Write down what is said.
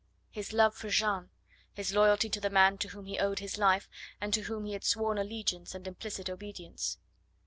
His love for Jeanne! His loyalty to the man to whom he owed his life, and to whom he had sworn allegiance and implicit obedience!